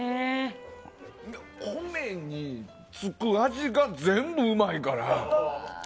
米につく味が全部うまいから。